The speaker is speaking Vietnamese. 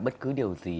bất cứ điều gì